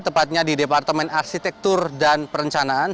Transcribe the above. tepatnya di departemen arsitektur dan perencanaan